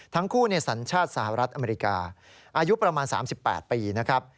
ทั้งคู่สัญชาติสหรัฐอเมริกาอายุประมาณ๓๘ปีนะครับ